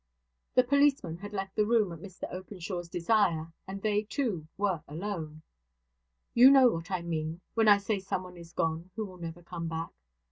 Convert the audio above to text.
The policeman had left the room at Mr Openshaw's desire, and they two were alone. 'You know what I mean, when I say someone is gone who will never come back.